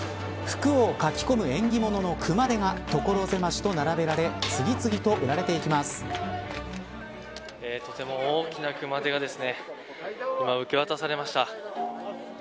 福をかき込む縁起物の熊手が所狭しと並べられとても大きな熊手が今、受け渡されました。